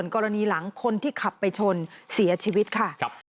กรณีหลังคนที่ขับไปชนเสียชีวิตค่ะ